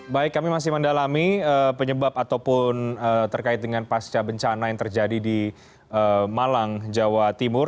baik kami masih mendalami penyebab ataupun terkait dengan pasca bencana yang terjadi di malang jawa timur